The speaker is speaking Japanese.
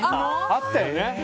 あったよね？